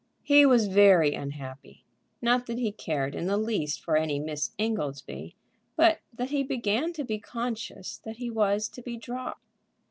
He was very unhappy, not that he cared in the least for any Miss Ingoldsby, but that he began to be conscious that he was to be dropped.